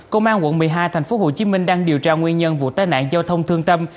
công an quận một mươi hai tp hcm đang điều tra nguyên nhân vụ tai nạn giao thông thương tâm